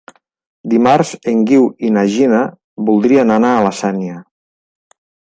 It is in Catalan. Dimarts en Guiu i na Gina voldrien anar a la Sénia.